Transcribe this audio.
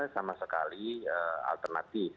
sama sekali alternatif